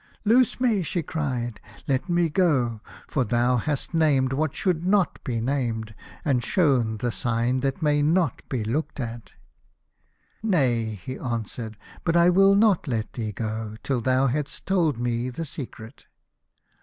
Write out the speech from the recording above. " Loose me," she cried, " and let me go. For thou hast named what should not be named, and shown the sign that may not be looked at." " Nay," he answered, " but I will not let thee go till thou hast told me the secret."